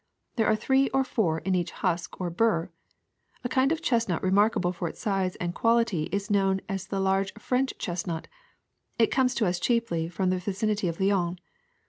There are three or four in each husk or bur. A kind of chestnut remarkable for its size and quality is known as the large French chest nut ; it comes to us chiefly from the vicinity of Lyons.